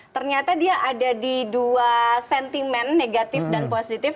ternyata dia ada di dua sentimen negatif dan positif